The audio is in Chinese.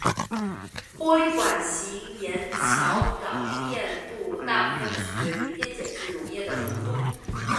玻璃管型盐桥导电度大部分取决于电解质溶液的浓度。